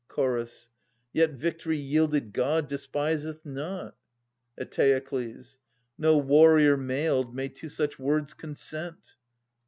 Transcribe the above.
Chorus. Yet victory yielded God despiseth not. Eteokles. No warrior mailed may to such words consent.